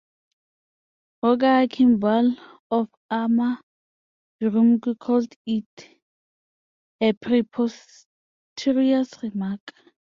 Roger Kimball of Arma Virumque called it "a preposterous remark".